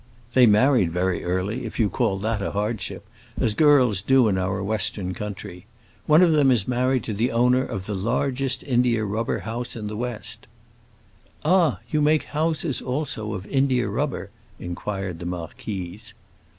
"They married very early, if you call that a hardship, as girls do in our Western country. One of them is married to the owner of the largest india rubber house in the West." "Ah, you make houses also of india rubber?" inquired the marquise.